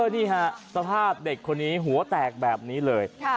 นี่ฮะสภาพเด็กคนนี้หัวแตกแบบนี้เลย